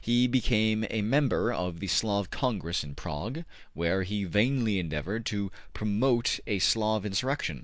He became a member of the Slav Congress in Prague, where he vainly endeavored to promote a Slav insurrection.